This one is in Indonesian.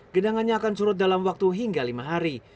gedangannya akan surut dalam waktu hingga lima hari